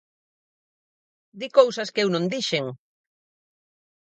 Di cousas que eu non dixen.